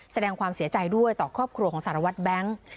แสดงความเสียใจด้วยต่อครอบครัวของสารวัตรแบงค์